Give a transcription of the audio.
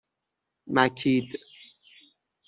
مکید